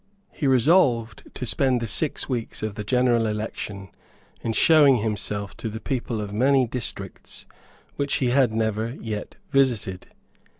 He resolved to spend the six weeks of the general election in showing himself to the people of many districts which he had never yet visited.